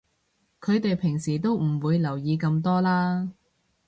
佢哋平時都唔會留意咁多啦